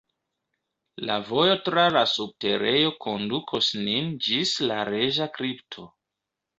La vojo tra la subterejo kondukos nin ĝis la reĝa kripto.